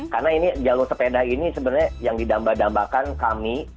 karena ini jalur sepeda ini sebenarnya yang didambah dambahkan kami